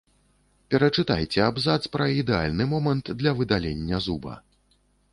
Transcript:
Перачытайце абзац пра ідэальны момант для выдалення зуба.